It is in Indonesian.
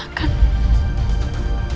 kalau ibu ngecek lagi gimana